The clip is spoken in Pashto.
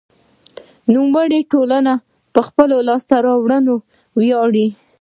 نوموړې ټولنه په خپلو لاسته راوړنو ویاړي.